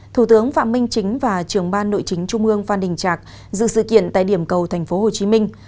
thủ tướng phạm minh chính và trưởng ban nội chính trung ương phan đình trạc dự sự kiện tại điểm cầu thành phố hồ chí minh